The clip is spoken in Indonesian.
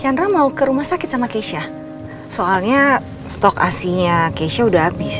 jadi kita mau ke rumah sakit sama keisha soalnya stok aslinya keisha udah habis